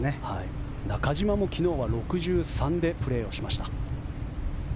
中島も昨日は６３でプレーしました。